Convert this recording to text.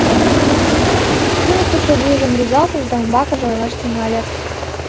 Туныктышо вуйжым рӱзалтыш да умбакыже ойлаш тӱҥале.